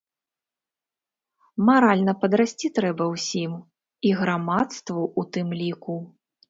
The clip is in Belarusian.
Маральна падрасці трэба ўсім, і грамадству ў тым ліку.